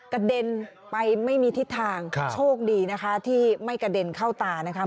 กระเด็นไปไม่มีทิศทางโชคดีนะคะที่ไม่กระเด็นเข้าตานะคะ